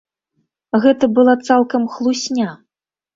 Гэта была цалкам хлусня.